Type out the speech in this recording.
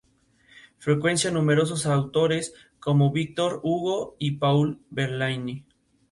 Él aprovechó una brillante oportunidad para continuar la negociación con Santa Anna.